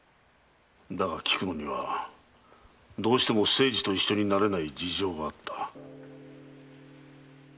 だが菊乃にはどうしても清次と一緒になれない事情があった。